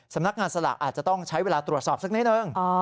สำนักงานสลากอาจจะต้องใช้เวลาตรวจสอบสักนิดนึง